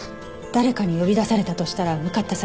誰かに呼び出されたとしたら向かった先は？